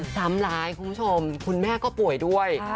ซ้ำร้ายคุณผู้ชมคุณแม่ก็ป่วยด้วย